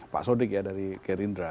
pak sodik dari gerindra